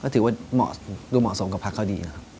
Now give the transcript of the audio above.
ถือว่าดูเหมาะสมกับพักเขาดีนะครับ